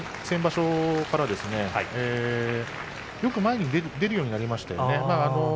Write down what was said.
先場所からよく前に出るようになりましたね。